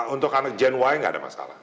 untuk anak gen y nggak ada masalah